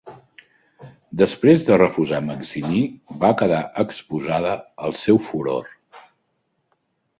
Després de refusar Maximí, va quedar exposada al seu furor.